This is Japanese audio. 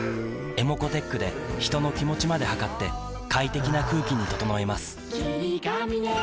ｅｍｏｃｏーｔｅｃｈで人の気持ちまで測って快適な空気に整えます